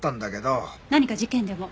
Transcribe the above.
何か事件でも？